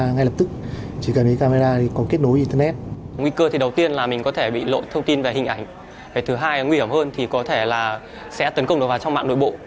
nguy cơ thì đầu tiên là mình có thể bị lộ thông tin về hình ảnh thứ hai là nguy hiểm hơn thì có thể là sẽ tấn công vào trong mạng nội bộ